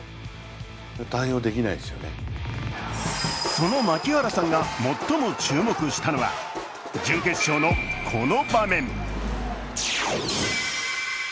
その槙原さんが最も注目したのは準決勝のこの場面。